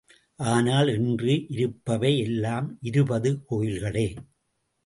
ஆனால், இன்று இருப்பவை எல்லாம் இருபது கோயில்களே.